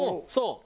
そう。